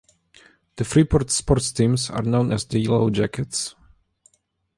The Freeport sports teams are known as the Yellow Jackets.